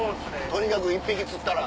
とにかく１匹釣ったら。